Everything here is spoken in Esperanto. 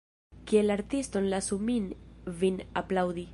Kiel artiston lasu min vin aplaŭdi.